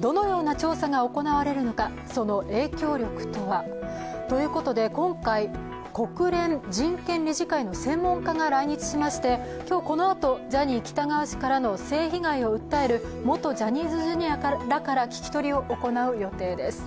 どのような調査が行われるのか、その影響力とは。ということで今回、国連人権理事会の専門家が来日しまして、今日このあとジャニー喜多川氏からの性被害を訴える元ジャニーズＪｒ．から聞き取りを行う予定です。